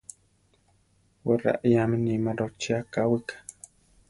Wé raiáme níma rochí akáwika.